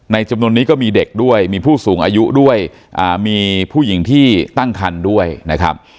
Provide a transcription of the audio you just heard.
จำนวนนี้ก็มีเด็กด้วยมีผู้สูงอายุด้วยมีผู้หญิงที่ตั้งคันด้วยนะครับ